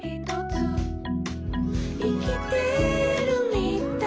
「いきてるみたい」